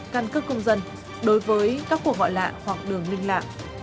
căn cước công dân đối với các cuộc gọi lạ hoặc đường linh lạ